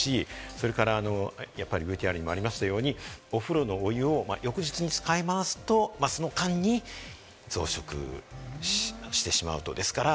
それからやっぱりＶＴＲにもありましたように、お風呂のお湯を翌日に使い回すと、その間に増殖してしまう。